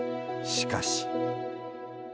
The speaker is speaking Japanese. しかし。